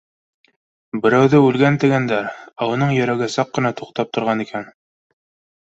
Берәүҙе үлгән, тигәндәр, ә уның йөрәге саҡ ҡына туҡтап торған икән.